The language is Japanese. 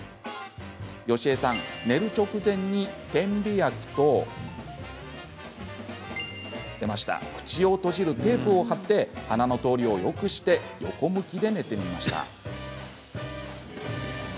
ヨシエさん、寝る直前に点鼻薬と口を閉じるテープを貼って鼻の通りをよくして横向きで寝てみました。